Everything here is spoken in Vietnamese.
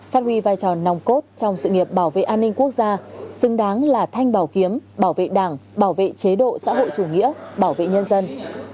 phát huy vai trò nòng cốt trong sự nghiệp bảo vệ an ninh quốc gia xứng đáng là thanh bảo kiếm bảo vệ đảng bảo vệ chế độ xã hội chủ nghĩa bảo vệ nhân dân